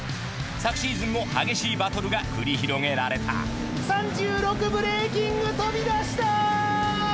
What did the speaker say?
昨シーズンも激しいバトルが繰り広げられた３６ブレーキング飛び出した！